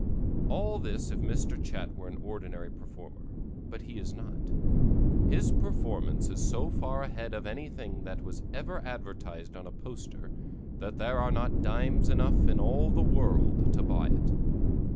All this if Mr. Chat were an ordinary performer, but he is not. His performance is so far ahead of anything that was ever advertised on a poster, that there are not dimes enough in all the world to buy it.